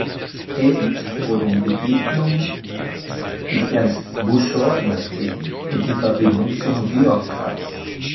Prägend wurden die Begegnung mit Ernst Buschor in Athen und die Verbindung zum George-Kreis.